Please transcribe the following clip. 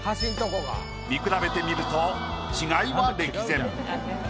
見比べてみると違いは歴然。